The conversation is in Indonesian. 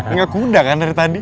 nggak kuda kan dari tadi